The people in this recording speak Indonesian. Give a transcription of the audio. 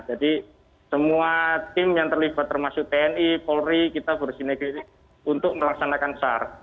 jadi semua tim yang terlibat termasuk tni polri kita bersinegretik untuk melaksanakan sar